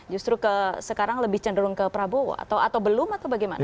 justru sekarang lebih cenderung ke prabowo atau belum atau bagaimana